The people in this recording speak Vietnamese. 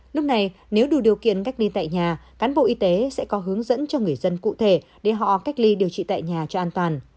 lúc này nếu đủ điều kiện cách ly tại nhà cán bộ y tế sẽ có hướng dẫn cho người dân cụ thể để họ cách ly điều trị tại nhà cho an toàn